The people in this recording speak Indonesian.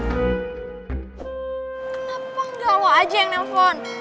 kenapa enggak lo aja yang nelfon